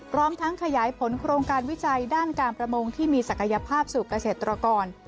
พร้อมทั้งขยายผลโครงการวิจัยด้านการประมงที่มีศักยภาพสู่เกษตรกร